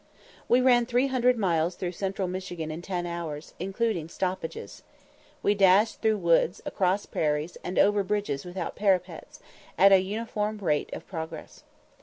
We ran three hundred miles through central Michigan in ten hours, including stoppages. We dashed through woods, across prairies, and over bridges without parapets, at a uniform rate of progress.